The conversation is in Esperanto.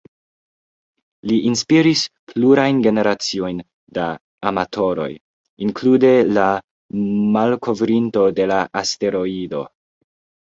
Li inspiris plurajn generaciojn da amatoroj, inklude la malkovrinto de la asteroido.